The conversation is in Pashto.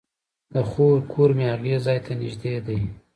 د خور کور مې هغې ځای ته نژدې دی